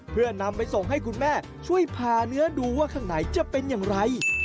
เพื่อนำไปส่งให้คุณแม่ช่วยพาเนื้อดูว่าข้างในจะเป็นอย่างไร